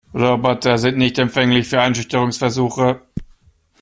Roboter sind nicht empfänglich für Einschüchterungsversuche.